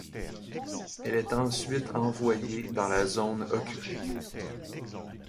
Elle est ensuite envoyée dans la zone occupée.